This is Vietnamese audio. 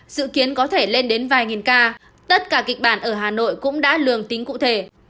dự kiến có thể lên đến vài nghìn ca tất cả kịch bản ở hà nội cũng đã lường tính cụ thể